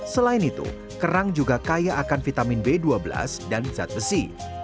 selain itu kerang juga kaya akan vitamin b dua belas dan zat besi